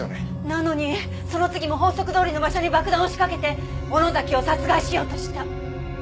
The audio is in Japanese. なのにその次も法則どおりの場所に爆弾を仕掛けて尾野崎を殺害しようとした。